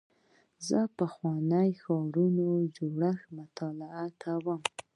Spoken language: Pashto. زه د پخوانیو ښارونو جوړښت مطالعه کوم.